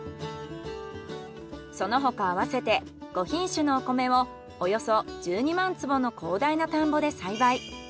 その他合わせて５品種のお米をおよそ１２万坪の広大な田んぼで栽培。